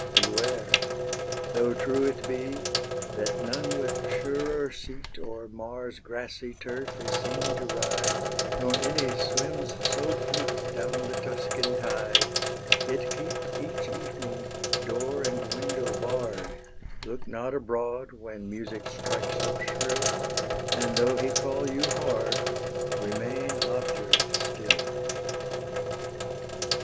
beware! Though true it be that none with surer seat O'er Mars's grassy turf is seen to ride, Nor any swims so fleet Adown the Tuscan tide, Yet keep each evening door and window barr'd; Look not abroad when music strikes up shrill, And though he call you hard, Remain obdurate still.